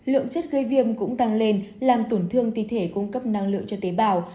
lượng chất gây viêm cũng tăng lên làm tổn thương tì thể cung cấp năng lượng cho tế bào